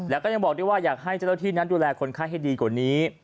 แล้วก็ยังบอกด้วยว่าอยากให้เจ้าหน้าที่นั้นดูแลคนไข้ให้ดีกว่านี้